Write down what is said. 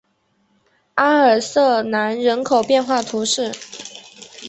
阿尔瑟南人口变化图示